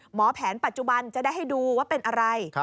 แผนปัจจุบันจะได้ให้ดูว่าเป็นอะไร